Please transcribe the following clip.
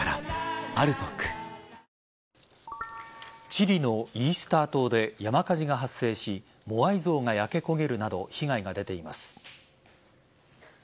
チリのイースター島で山火事が発生しモアイ像が焼け焦げるなど被害が出ています。